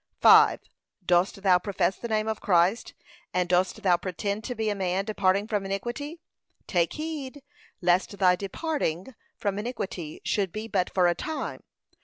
5. Dost thou profess the name of Christ, and dost thou pretend to be a man departing from iniquity? take heed, lest thy departing from iniquity should be but for a time.